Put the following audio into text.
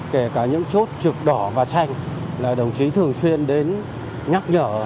kể cả những chốt trực đỏ và xanh là đồng chí thường xuyên đến nhắc nhở